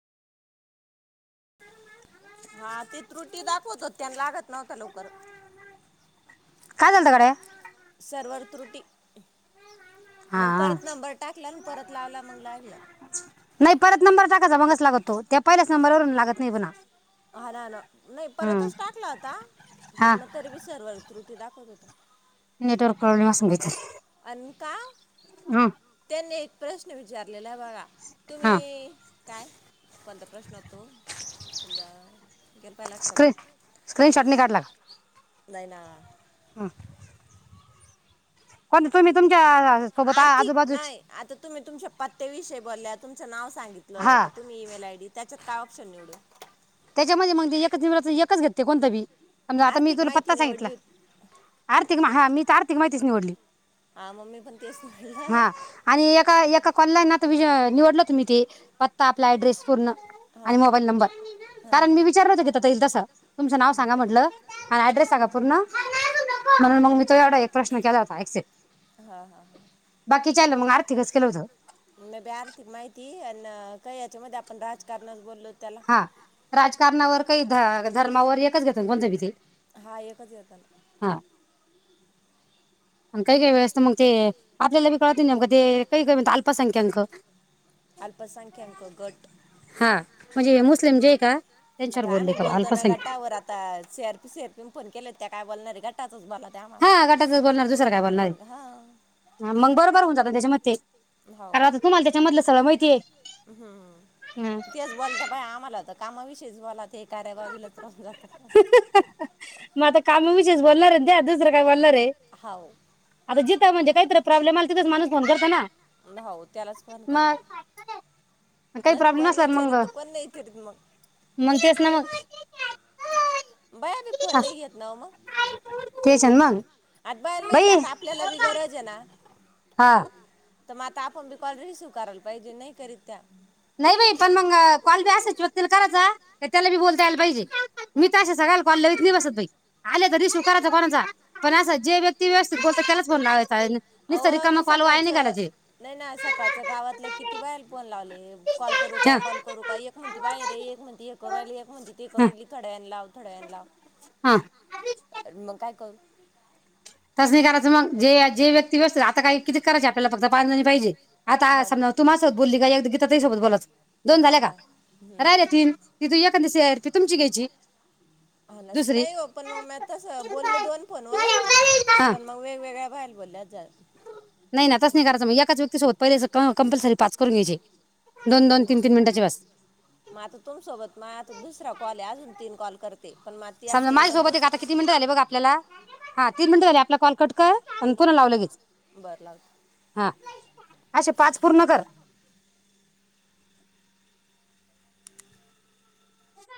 हा ते त्रुटी दाखवत हो त्यांना लागत नव्हत लवकर काय झालतं गड्या सर्वर त्रुटी मंग हा परत नंबर टाकला अन् परत लावला मग लागला नाही परत नंबर टाकायचा मगच लागतो त्या पहिल्याच नंबरवरून लागत नाही [unintelligible] [inaudible] नाही हम्म. परतच टाकला होता पण हा मग तरी बी सर्वर त्रुटी दाखवत होत नेटवर्क प्रॉब्लेम असल तिथं अन् का? [inaudible] म्हणे एक प्रश्न विचारलेला बघा हा तुम्ही काय? कोणता प्रश्न तो [inaudible] स्क्रीन स्क्रीन शॉटनी काढला का नाही ना हा सोबत आ- आर्थिक आजूबाजूच नाही आता तुम्ही तुमच्या पत्त्या विषयी बोलल्यात तुमच नाव सांगितलं हा का तुम्ही ई-मेल आय डी त्याच्यात काय ऑप्श निवडू त्याच्या मध्ये मग ते एकच निवडायचं एकच घेते कोणत बी समजा आता मी आर्थिक तुला माहिती पत्ता सांगितला निवडली होती आर्थिक म हा मी त आर्थिक माहितीच निवडली हा मम्मी पण तेच निवडलं हा आणि एका एका कॉलला ना निवडल तुम्ही ते पत्ता आपला ऍड्रेस पूर्ण हा आणि मोबाईल नंबर हा विचारलं होतं तिथं ते तसं तुमचं नाव सांगा म्हटलं ऍड्रेस सांगा पूर् [unintelligible] म्हणून मग मी तो एवढा एक प्रश्न केला होता एक्सेप हा हा हा च्याला मग आर्थिकच केलं होतं मी बी आर्थिक माहिती अन् काय याच्या मध्ये आपण राजकारणच बोललो त्याला हा राजकारणावर काही ध धर्मावर एक इथेच घेतोय ना कोंचबी ते हा एकच येतना अन् काही काही वेळेसतं मग ते आपल्याला बी कळत नाही ते नेमकं ते काही काही म्हणत अल्पसंख्याक अल्पसंख्याक गट हा म्हणजे हे मुस्लिम जे आहे का? त्यांच्यावर आता बोलले आम्ही का बोलतो ना अल्पसंख्याक गटावर आता सीआरपी सीआरपी फोन केलेत त्या काय बोलणार आहे गटात? हा गटातच बोलणार दुसरं काय बोलणार मग हा मग बरोबर होऊन जात ज्याच्यामध्ये ते कारण आता तुम्हाला त्याच्यामधलं सगळं माहितीये हा. तेच बोलता बाई आम्हाला तर कामाविषयी बोलते कार्य बाजूलाच राहून जाते द्या दुसरं काय बोल हो आता जिथे म्हणजे काहीतरी प्रॉब्लेम आला तिथेच माणूस फोन करत ना होऊ त्यालाच कोण करते मग काही ना प्रॉब्लेम कोण असला मग विचारित कोण नाही विचारित मग मग तेच ना मग बाया बी फर हा, नाही घेत ना मग तेच आहे ना मग आता बायाला माहितीय बाई आता आपल्याला बी गरज आहे ना हा तर मग आता आपण बी कॉल रिसिव्हन करायला पाहिजे नाही करीत त्या नाही बाई पण मग कॉल बी असायच व्यक्तीला करायचा त्याला बी बोलतायला पाहिजे मी तर असे सगळयला कॉल लावीत नाई बसत आले तर रसू करायचा कोणाचा पण अस जे व्यक्ती व्यवस्थितत त्यालाच फोण लावायच आओ मी सकाळच नाही ना सकाळच्या गावातल्या किती बायांना फोन लावले कॉल करू का हा कॉल करू का एक म्हणती बाहेर ये एक म्हणती थोड्यावेळाने हा, हव. थोड्या वेळ लाव हा मग काय करू तसं नाही करायचं मग जे जे व्यक्ती व्यस्त आता काही किती करायचे आपल्याला फक्त पाच जणी पाहिजे आता हो समजा तू माझ्या संग बोलली तर त्याच्यासोबत बोलायचं ना दोन हा झाल्या का हा हम्म. राहिल तीन एखादी शेअर तुमची घ्यायची अलास दुसरी नाही हो पण मग म आतास बोलले दोन फोन वर हा पण मग वेगवेगळ्या झाल्या बोलल्याचा नाही ना तस नाही कराचं मग एकाच व्यक्तीसोबत पहिले कंपल्सरी पाच करून घ्यायचे दोन दोन म तीन तीन मिनिटाची बस म आता तुमसोबत म आता दुसरा कॉल आहे अजून तीन कॉल करते पण मग ती असं समजा येईन माझ्या सोबत आहे का दुस आता किती मिनिटं झाले बघ आपल्याला हा तीन मिनट झाले आपला कॉल कट कर पुन्हा लाव लगेच बरं लाग अश पाच पूर्ण कर